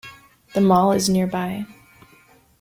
The Mall is nearby.